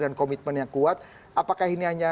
dan komitmen yang kuat apakah ini hanya